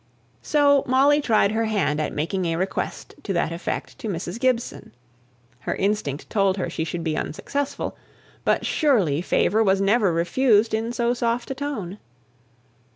So Molly tried her hand at making a request to that effect to Mrs. Gibson. Her instinct told her she would be unsuccessful; but surely favour was never refused in so soft a tone.